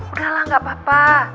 udahlah gak apa apa